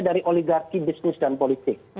dari oligarki bisnis dan politik